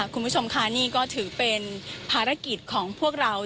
คุณผู้ชมค่ะนี่ก็ถือเป็นภารกิจของพวกเรา